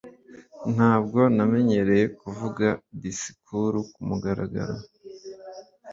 Ntabwo namenyereye kuvuga disikuru kumugaragaro